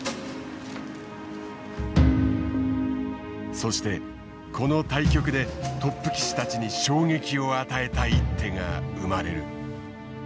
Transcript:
そしてこの対局でトップ棋士たちに衝撃を与えた一手が生まれる。